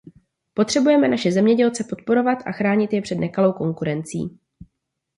Potřebujeme naše zemědělce podporovat a chránit je před nekalou konkurencí.